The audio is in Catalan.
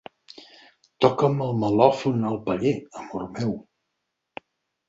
Toca'm el melòfon al paller, amor meu.